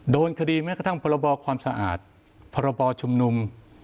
โดนคดีแม้กระทั่งพรบความสะอาดพรบชุมนุม